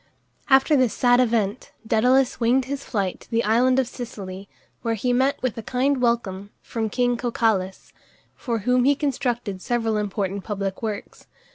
After this sad event, Dædalus winged his flight to the island of Sicily, where he met with a kind welcome from king Cocalus, for whom he constructed several important public works.